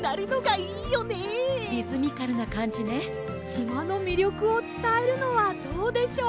しまのみりょくをつたえるのはどうでしょう？